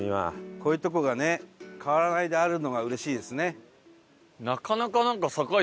こういうとこがね変わらないであるのがうれしいですね。